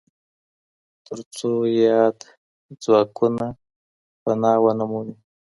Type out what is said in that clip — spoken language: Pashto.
ترڅو ياد ځواکونه پناه و نه مومي.